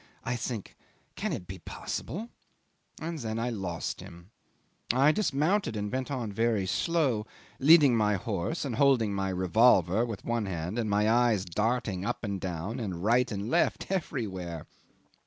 I think Can it be possible? And then I lost him. I dismounted and went on very slow, leading my horse and holding my revolver with one hand and my eyes darting up and down and right and left, everywhere!